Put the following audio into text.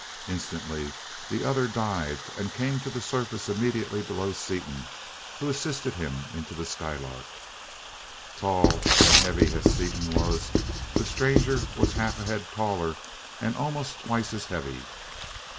Instantly the other dived, and came to the surface immediately below Seaton, who assisted him into the Skylark. Tall and heavy as Seaton was, the stranger was half a head taller and almost twice as heavy.